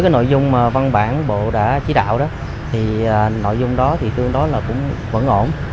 cái nội dung mà văn bản bộ đã chỉ đạo đó thì nội dung đó thì tương đối là cũng vẫn ổn